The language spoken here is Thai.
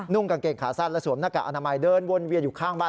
กางเกงขาสั้นและสวมหน้ากากอนามัยเดินวนเวียนอยู่ข้างบ้าน